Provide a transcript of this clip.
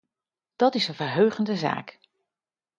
Dat is een verheugende zaak.